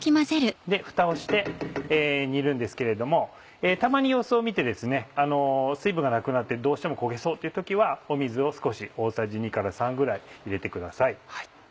フタをして煮るんですけれどもたまに様子を見て水分がなくなってどうしても焦げそうっていう時は水を少し大さじ２から３ぐらい入れてください。